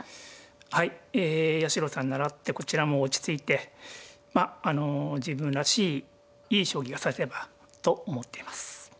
はいえ八代さんに倣ってこちらも落ち着いてまああの自分らしいいい将棋が指せればと思っています。